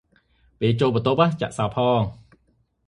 ពេលចូលបន្ទប់ ចាក់សោរផង ។